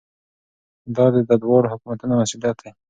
دا د دواړو حکومتونو مسؤلیت دی.